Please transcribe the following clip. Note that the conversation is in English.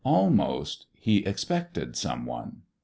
Almost he expected some one.